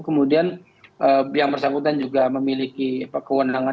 kemudian yang bersangkutan juga memiliki kewenangan